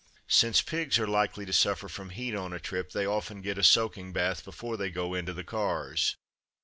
Since pigs are likely to suffer from heat on a trip, they often get a soaking bath before they go into the cars.